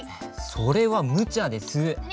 それはむちゃです。